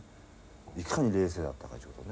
いかに冷静だったかっちゅうことね。